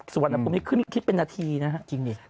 ส่วนอันปรุงนี้ขึ้นคิดเป็นนาทีนะครับ